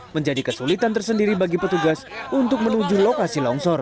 menjadi kesulitan tersendiri bagi petugas untuk menuju lokasi longsor